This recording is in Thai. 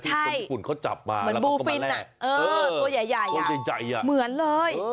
ใช่เหมือนบูฟินตัวใหญ่เหมือนเลย